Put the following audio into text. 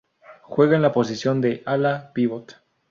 Juega en la posición de Ala-Pivot.